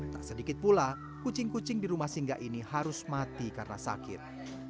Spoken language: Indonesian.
tak sedikit pula kucing kucing di rumah singgah ini harus mati karena sakit